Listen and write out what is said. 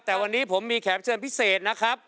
แต่วันนี้ผมมีแขกเชิญพิเศษนะครับ